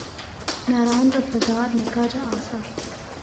ناران دا بازار نِکا جا آسا۔